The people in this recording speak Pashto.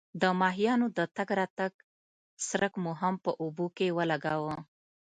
د ماهیانو د تګ راتګ څرک مو هم په اوبو کې ولګاوه.